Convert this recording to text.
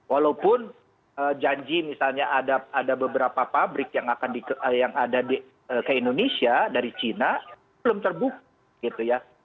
walaupun janji misalnya ada beberapa pabrik yang ada ke indonesia dari china belum terbuka gitu ya